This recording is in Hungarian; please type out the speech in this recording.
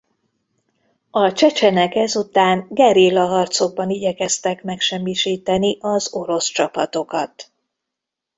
A csecsenek ezután gerillaharcokban igyekeztek megsemmisíteni az orosz csapatokat.